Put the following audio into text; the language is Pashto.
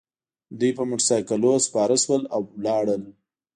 دوی په موټرسایکلونو سپاره شول او لاړل